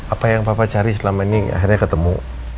apa yang papa cari selama ini akhirnya ketemu